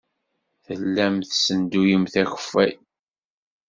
Tellamt tessenduyemt akeffay.